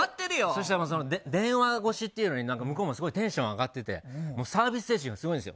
電話越しというのに向こうもテンション上がってサービス精神がすごいんですよ。